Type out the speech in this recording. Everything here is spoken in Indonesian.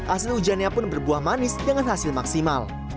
asli hujannya pun berbuah manis dengan hasil maksimal